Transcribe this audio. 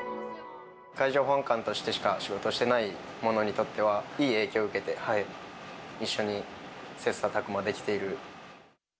海上保安官としてしか仕事をしていない者にとっては、いい影響を受けて、一緒に切さたく磨できている。